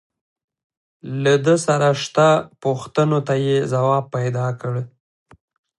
له ده سره شته پوښتنو ته يې ځواب پيدا کړ.